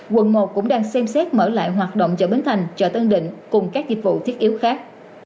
quận một cũng đang xem xét mở lại hoạt động chợ bến thành chợ tân định cùng các dịch vụ thiết yếu khác